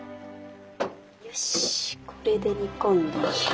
よしこれで煮込んだら完成。